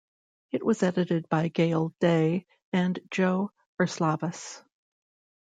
It was edited by Gail Day and Joe Erslavas.